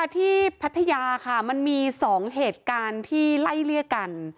พัทยาค่ะมันมี๒เหตุการณ์ที่ไล่เลี่ยกัน